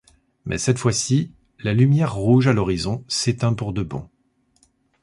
Mais cette fois-ci, la lumière rouge à l'horizon s'éteint pour de bon.